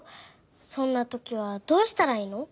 そんなときはどうしたらいいの？